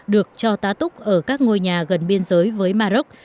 được cho tá túc ở các ngôi nhà gần biên giới với maroc